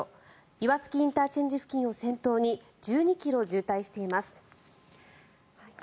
岩槻ＩＣ付近を先頭に１２ｋｍ渋滞しています。